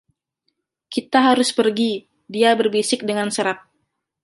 “Kita harus pergi,” dia berbisik dengan serak.